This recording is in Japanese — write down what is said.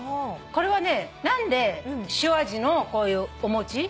これはね何で塩味のこういうお餅。